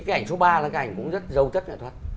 cái ảnh số ba là cái ảnh cũng rất dâu chất nghệ thuật